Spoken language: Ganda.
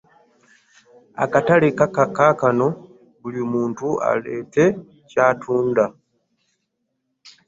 Akatale kaakano buli muntu aleete ky'atunda.